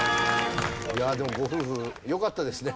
いやでもご夫婦よかったですね。